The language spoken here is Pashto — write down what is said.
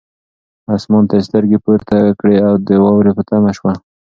اسمان ته یې سترګې پورته کړې او د واورې په تمه شو.